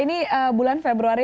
ini bulan februari